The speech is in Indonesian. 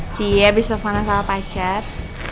ci abis telfonan sama pacar